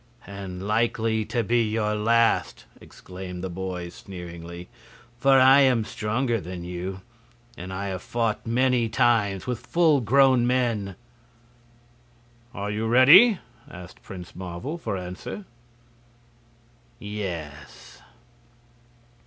"And likely to be your last," exclaimed the boy, sneeringly. "For I am stronger than you, and I have fought many times with full grown men." "Are you ready?" asked Prince Marvel, for answer. "Yes."